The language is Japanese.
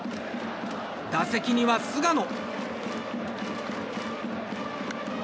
打席には菅野。